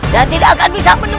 dan tidak akan bisa menangis